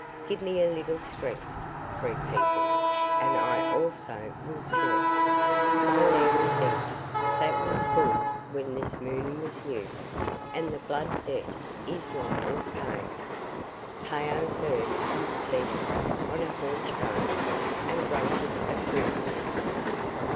"Give me a little strength, Free People, and I also will kill. My lair is empty that was full when this moon was new, and the Blood Debt is not all paid." Phao heard his teeth crack on a haunch bone and grunted approvingly.